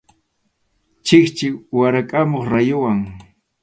Chikchi warakʼamuq rayuwan.